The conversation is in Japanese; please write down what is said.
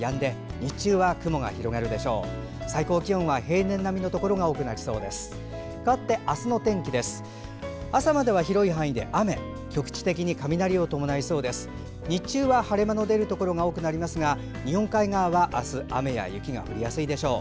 日中は晴れ間の出るところが多くなりますが日本海側は明日雨や雪が降りやすいでしょう。